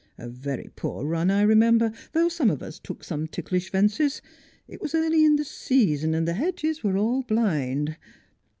A very poor run, I remember, though some of us took some ticklish fences. It was early in the season, and the hedges were all blind.'